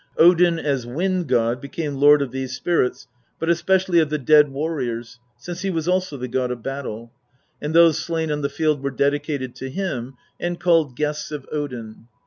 Odin as Wind god became lord of these spirits, but especially of the .dead warriors, since he was also the god of battle, and those slain on the field were dedicated to him and called " guests of Odin."